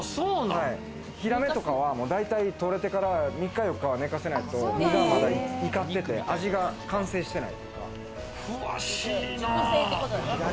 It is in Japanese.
ヒラメとかは大体取れてから３日、４日は寝かせないと、身がいかってて味が完成してないから。